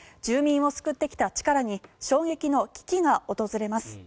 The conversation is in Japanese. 住民を救ってきたチカラに衝撃の危機が訪れます。